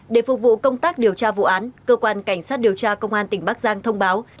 để phục vụ công tác điều tra vụ án cơ quan cảnh sát điều tra công an tỉnh bắc giang thông báo